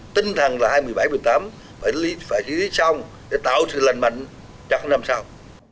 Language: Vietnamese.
tinh thần là hai mươi bảy một mươi tám phải xử lý xong để tạo sự lành mạnh cho năm sau